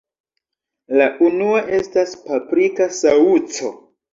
La unua estas Paprika Saŭco.